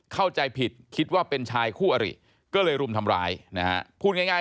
เข้าใจผิดคิดว่าเป็นชายคู่อริก็เลยรุมทำร้ายนะฮะพูดง่าย